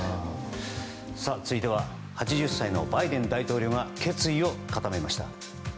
続いては８０歳のバイデン大統領が決意を固めました。